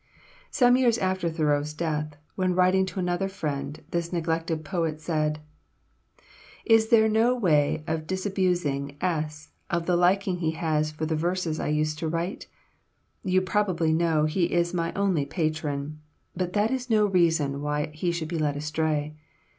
Some years after Thoreau's death, when writing to another friend, this neglected poet said: "Is there no way of disabusing S. of the liking he has for the verses I used to write? You probably know he is my only patron, but that is no reason he should be led astray.